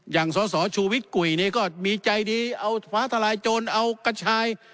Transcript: สสชูวิทย์กุยนี่ก็มีใจดีเอาฟ้าทลายโจรเอากระชาย